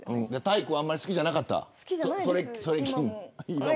体育はあんまり好きじゃなかった。